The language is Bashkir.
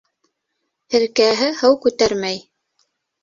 Һеркәһе һыу күтәрмәй.